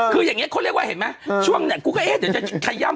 คืออย่างนี้เขาเรียกว่าเห็นไหมช่วงเนี่ยกูก็เอ๊ะเดี๋ยวจะขย่ำ